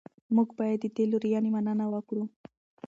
موږ باید د دې لورینې مننه وکړو.